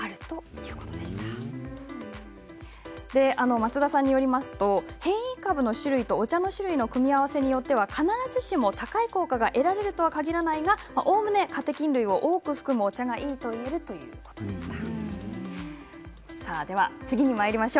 松田さんによりますと変異株の種類とお茶の種類の組み合わせによっては必ずしも高い効果が得られるとはかぎらないがおおむねカテキン類を多く含むお茶がよいといえるとおっしゃっていました。